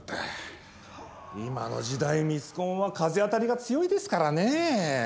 今の時代ミスコンは風当たりが強いですからねえ。